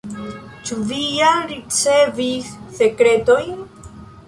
Ĉu vi jam ricevis sekretojn?